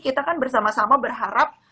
kita kan bersama sama berharap